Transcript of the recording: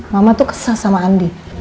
mama tuh kesal sama andi